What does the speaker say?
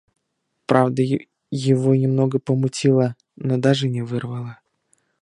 Правда, его немного помутило, но даже не вырвало.